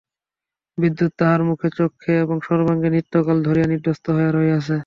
বিদ্যুৎ তাহার মুখে চক্ষে এবং সর্বাঙ্গে নিত্যকাল ধরিয়া নিস্তব্ধ হইয়া রহিয়াছে।